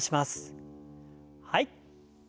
はい。